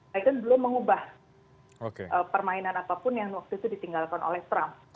biden belum mengubah permainan apapun yang waktu itu ditinggalkan oleh trump